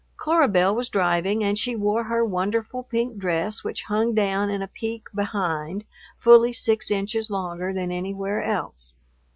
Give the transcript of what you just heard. Cora Belle was driving and she wore her wonderful pink dress which hung down in a peak behind, fully six inches longer than anywhere else.